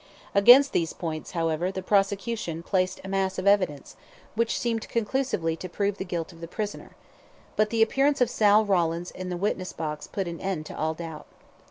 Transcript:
Against these points, however, the prosecution placed a mass of evidence, which seemed conclusively to prove the guilt of the prisoner; but the appearance of Sal Rawlins in the witness box put an end to all doubt.